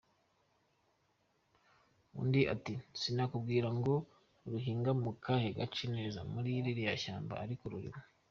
Undi ati “Sinakubwira ngo ruhingwa mu kahe gace neza muri ririya shyamba, ariko rurimo.